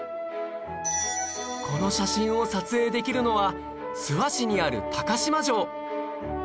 この写真を撮影できるのは諏訪市にある高島城